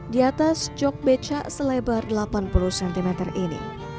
di atas jok becak selebar delapan puluh cm ini